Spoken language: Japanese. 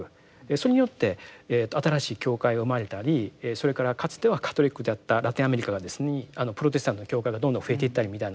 それによって新しい教会が生まれたりそれからかつてはカトリックであったラテンアメリカにプロテスタントの教会がどんどん増えていったりみたいなですね